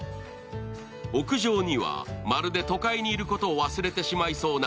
屋上には、まるで都会にいることを忘れてしまいそうな